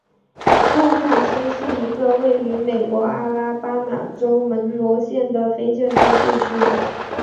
沃卡申是一个位于美国阿拉巴马州门罗县的非建制地区。